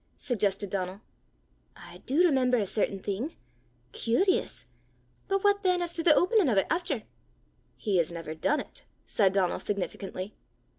suggested Donal. "I do remember a certain thing! Curious! But what than as to the openin' o' 't efter?" "He has never done it!" said Donal significantly.